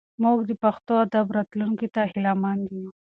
موږ د پښتو ادب راتلونکي ته هیله مند یو.